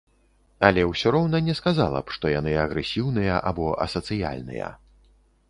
Але ўсё роўна не сказала б, што яны агрэсіўныя або асацыяльныя.